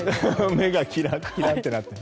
目がキラキラとなってる。